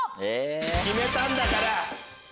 決めたんだから！